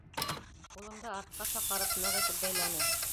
Ҡулымды артҡа шаҡарып ныҡ итеп бәйләне.